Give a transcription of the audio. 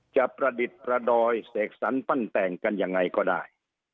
ประดิษฐ์ประดอยเสกสรรปั้นแต่งกันยังไงก็ได้